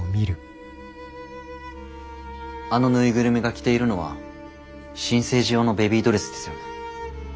あの縫いぐるみが着ているのは新生児用のベビードレスですよね？